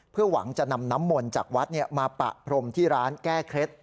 เพื่อหวังจะนำน้ำมนต์จากวัดมาปะพรมที่ร้านแก้เคล็ด